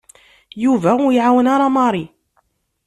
Yuba ur iɛawen ara Mary.